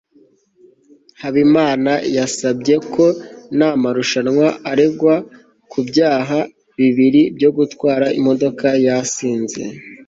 habimana yasabye ko nta marushanwa aregwa ku byaha bibiri byo gutwara imodoka yasinze